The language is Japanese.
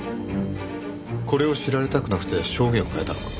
これを知られたくなくて証言を変えたのか。